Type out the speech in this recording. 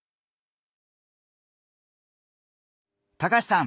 高橋さん。